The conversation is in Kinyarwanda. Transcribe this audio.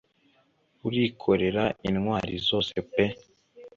urikorera intwari zose pe